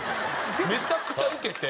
めちゃくちゃウケて。